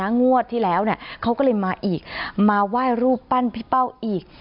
งวดที่แล้วเขาก็เลยมาอีกมาไหว้รูปปั้นพี่เป้าอีก